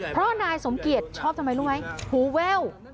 เพราะนายสมเกียจชอบทำไมรู้ไหมหูแว่ว